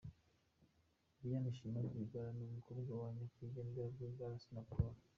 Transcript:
Diane Shima Rwigara ni umukobwa wa nyakwigendera Rwigara Assinapol.